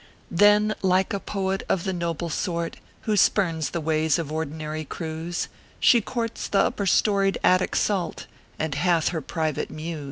Then, like a poet of the noble sort, "Who spurns the ways of ordinary crews, She courts the upper storied attic salt, And hath her private mews.